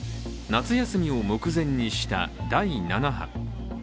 夏休みを目前にした第７波。